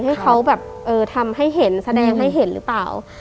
ให้เขาแบบทำให้เห็นแสดงให้เห็นหรือเปล่า